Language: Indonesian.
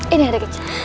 ini adik kecil